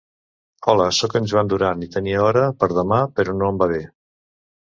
Hola. Soc en Joan Duran i tenia hora per demà, però no em va bé.